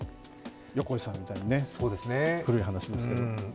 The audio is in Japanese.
横井さんみたいに古い話ですけど。